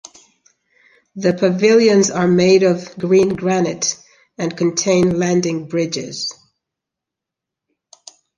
The pavilions are made of green granite and contain landing bridges.